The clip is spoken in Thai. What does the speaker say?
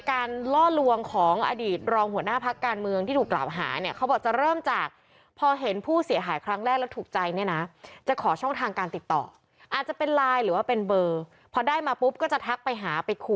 การลองทุนพอผู้เสียหายมาถึงร้านปุ๊บก็จะ